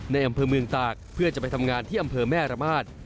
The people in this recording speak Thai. ในอำเภอเมืองตากเพื่อจะไปทำงานที่อำเภอแม่ระมาท